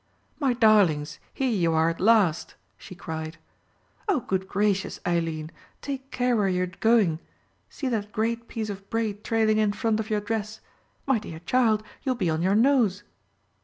"My darlings, here you are at last," she cried. "Oh, good gracious, Eileen, take care where you are going. See that great piece of braid trailing in front of your dress; my dear child, you will be on your nose."